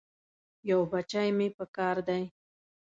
یو بچی مې پکار دی.